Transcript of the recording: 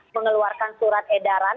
mengeluarkan surat edaran